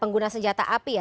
pengguna senjata api ya